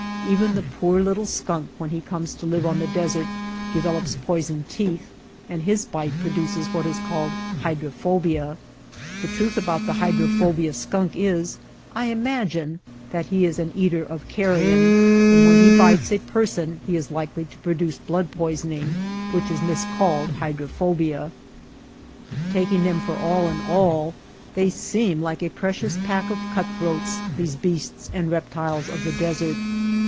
Even the poor little skunk when he comes to live on the desert de velops poisoned teeth and his bite produces what is called hydrophobia. The truth about the hydrophobia skunk is, I imagine, that he is an eater of carrion ; and when he bites a per DESEET ANIMALS 171 son he is likely to produce blood poisoning, which is miscalled hydrophobia. Taking them for all in all, they seem like a precious pack of cutthroats, these beasts and reptiles of the desert.